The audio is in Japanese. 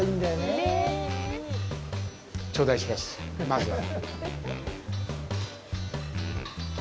まずは。